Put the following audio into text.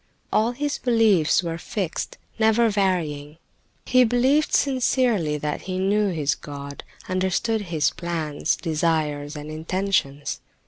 All his beliefs were fixed, never varying. He believed sincerely that he knew his God, understood His plans, desires and intentions.